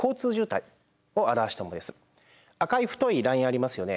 赤い太いラインありますよね